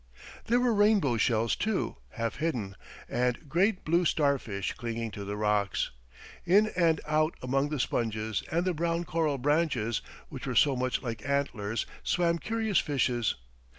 There were rainbow shells, too, half hidden, and great blue starfish clinging to the rocks. In and out among the sponges and the brown coral branches, which were so much like antlers, swam curious fishes.